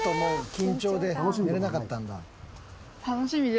緊張で寝れなかったんだ。